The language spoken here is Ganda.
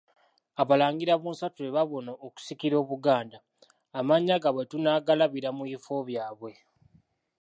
Abalangira bonsatule baabuna okusikira Obuganda, amannya gaabwe tunaagalabira mu bifo byabwe.